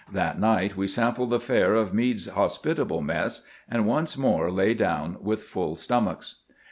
That night we sampled the fare of Meade's hospitable mess, and once more lay down with full stomachs.